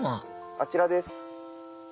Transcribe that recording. あちらです。